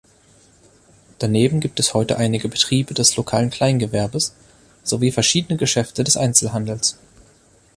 Daneben gibt es heute einige Betriebe des lokalen Kleingewerbes sowie verschiedene Geschäfte des Einzelhandels.